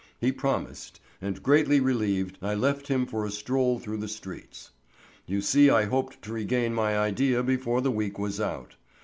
He promised, and greatly relieved I left him for a stroll through the streets. You see I hoped to regain my idea before the week was out.